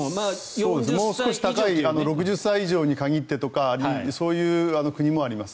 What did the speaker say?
もう少し高い６０歳以上に限ってとかそういう国もあります。